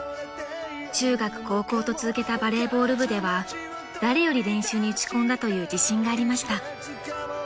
［中学高校と続けたバレーボール部では誰より練習に打ち込んだという自信がありました］